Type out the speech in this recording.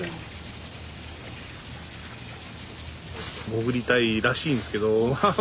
潜りたいらしいんですけど